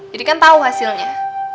jadi kan tahu hasilnya